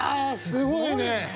すごいね！